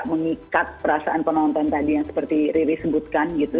mengikat perasaan penonton tadi yang seperti riri sebutkan gitu